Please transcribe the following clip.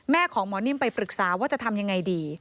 ของหมอนิ่มไปปรึกษาว่าจะทำยังไงดี